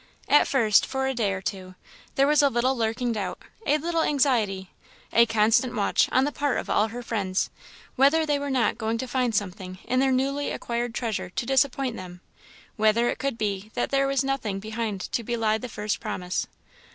At first, for a day or two, there was a little lurking doubt, a little anxiety, a constant watch, on the part of all her friends, whether they were not going to find something in their newly acquired treasure to disappoint them; whether it could be that there was nothing behind to belie the first promise.